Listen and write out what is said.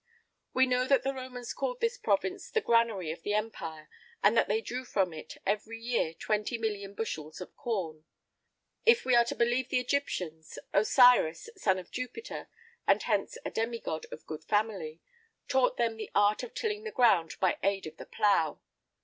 [I 19] We know that the Romans called this province the granary of the empire, and that they drew from it every year twenty million bushels of corn.[I 20] If we are to believe the Egyptians, Osiris, son of Jupiter (and hence a demi god of good family), taught them the art of tilling the ground by aid of the plough.